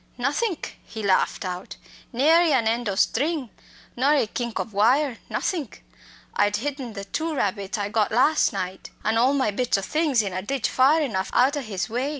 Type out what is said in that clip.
"Nothink!" he laughed out. "Nary an end o' string, nor a kink o' wire nothink. I'd hidden the two rabbits I got las' night, and all my bits o' things in a ditch far enough out o' his way.